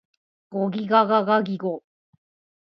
ゴギガガガギゴ